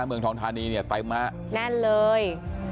เมืองทองธานีเนี่ยเต็มฮะแน่นเลย